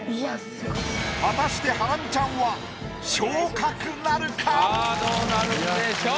果たしてハラミちゃんはさあどうなるんでしょう？